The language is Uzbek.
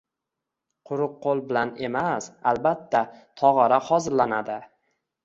Quruq qo`l bilan emas, albatta, tog`ora hozirlanadi